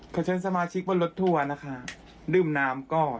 ขอเชิญสมาชิกบนรถทัวร์นะคะดื่มน้ำก่อน